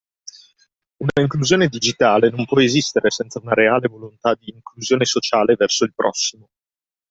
Una inclusione digitale non può esistere senza una reale volontà di inclusione sociale verso il prossimo